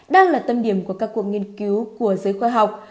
đang là tâm điểm của các cuộc nghiên cứu của giới khoa học